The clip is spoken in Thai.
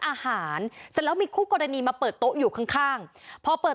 อาหารแล้วมีคู่กรณีมาเปิดโต๊ะอยู่ข้างพอเปิด